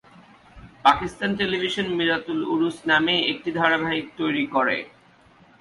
Pakistan television Mirat-ul-Uroos নামেই একটি ধারাবাহিক তৈরি করে।